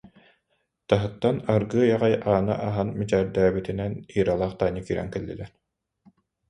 Таһыттан аргыый аҕай ааны аһан мичээрдээбитинэн Иралаах Таня киирэн кэллилэр